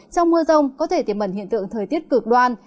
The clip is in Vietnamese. trong mưa rông có thể tiềm mẩn hiện tượng thời tiết cực đoan